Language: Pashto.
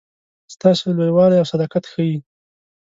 ستاسي لوی والی او صداقت ښيي.